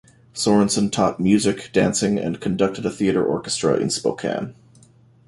Sorenson taught music, dancing and conducted a theater orchestra in Spokane.